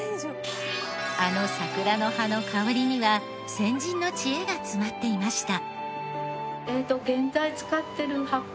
あの桜の葉の香りには先人の知恵が詰まっていました。